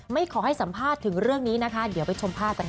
ไม่ขอให้สัมภาษณ์ถึงเรื่องนี้นะคะเดี๋ยวไปชมภาพกันค่ะ